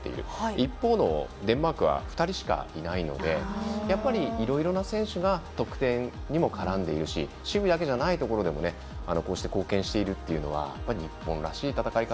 一方のデンマークは２人しかいないのでやっぱり、いろいろな選手が得点にも絡んでいるし守備だけじゃないところでもこうして貢献しているというのは日本らしい戦い方。